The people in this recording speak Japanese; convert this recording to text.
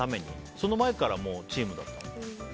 その前からチームだったの？